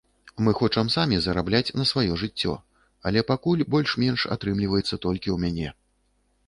Мы хочам самі зарабляць на сваё жыццё, але пакуль больш-менш атрымліваецца толькі ў мяне.